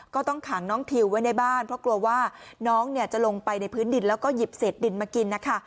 ก็ต้องขังน้องทิวไว้ในบ้านเพราะกลัวว่าน้องจะลงไปในพื้นดินแล้วก็หยิบเศษดินมากินนะคะ